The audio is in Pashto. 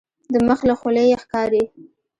د مخ له خولیې یې ښکاري.